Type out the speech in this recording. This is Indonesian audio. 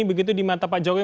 begitu di mata pak jokowi